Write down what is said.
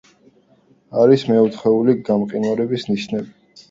არის მეოთხეული გამყინვარების ნიშნები.